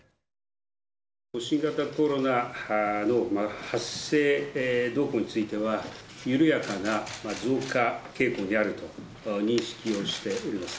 新型コロナの発生動向については、緩やかな増加傾向にあると認識をしております。